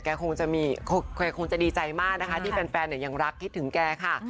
คงจะมีแกคงจะดีใจมากนะคะที่แฟนยังรักคิดถึงแกค่ะ